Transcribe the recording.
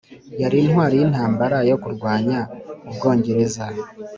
yari intwari yintambara yo kurwanya ubwongereza.